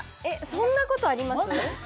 そんなことあります？